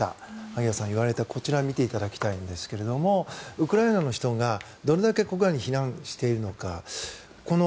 萩谷さんが言われたこちらを見ていただきたいんですがウクライナの人がどれだけ国外に避難しているのか。